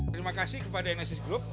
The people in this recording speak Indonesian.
terima kasih kepada nsis group